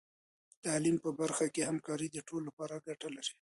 د تعلیم په برخه کې همکاري د ټولو لپاره ګټه لري.